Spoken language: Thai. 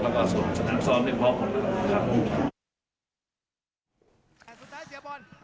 แล้วก็ส่วนสนับสร้างเป็นพร้อม